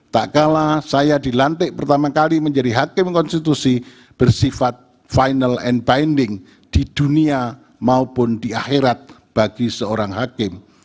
tak kalah saya dilantik pertama kali menjadi hakim konstitusi bersifat final and binding di dunia maupun di akhirat bagi seorang hakim